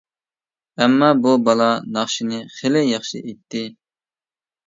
ئەمما بۇ بالا ناخشىنى خېلى ياخشى ئېيتتى.